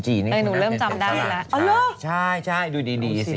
ใช่ดูดีสิ